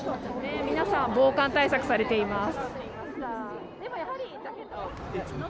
皆さん防寒対策されています。